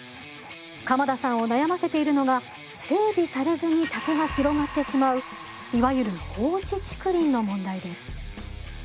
鎌田さんを悩ませているのが整備されずに竹が広がってしまういわゆる放置竹林の問題です。